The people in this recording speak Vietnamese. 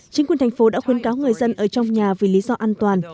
chính quyền thành phố đã khuyến cáo người dân ở trong nhà vì lý do an toàn